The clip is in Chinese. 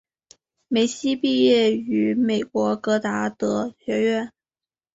梅西毕业于美国戈达德学院。